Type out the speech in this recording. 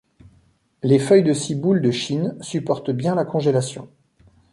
Les feuilles de ciboule de Chine supportent bien la congélation.